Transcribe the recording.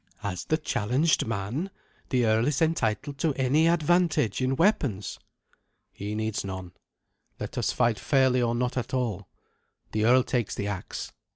"As the challenged man, the earl is entitled to any advantage in weapons." "He needs none. Let us fight fairly or not at all. The earl takes the axe.